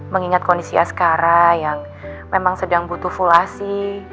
mengingat kondisi askara yang memang sedang butuh fulasi